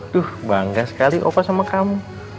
tuh bangga sekali opa sama kamu